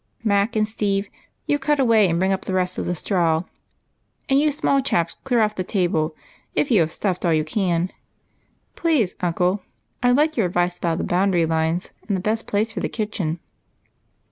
Mac and Steve, you cut away and bring up the rest of the straw ; and you small chaps clear off the table, if you have stuffed all you can. Please, uncle, I 'd like your advice about the boundary lines and the best place for the kitchen."